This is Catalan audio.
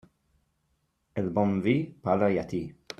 El bon vi parla llatí.